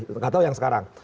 tidak tahu yang sekarang